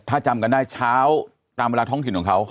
ถ้าจำกันได้เช้าตามเวลาท้องถิ่นของเขา